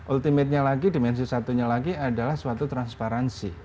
ultimatenya lagi dimensi satunya lagi adalah suatu transparansi